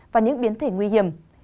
và những biến thể nguy hiểm